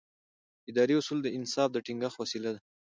اداري اصول د انصاف د ټینګښت وسیله ده.